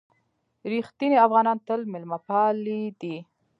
رښتیني افغانان تل مېلمه پالي دي.